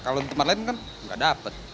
kalau di tempat lain kan gak dapat